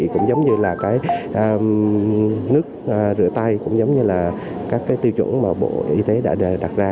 cũng giống như là nước rửa tay cũng giống như là các tiêu chuẩn mà bộ y tế đã đặt ra